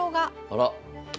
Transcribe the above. あら。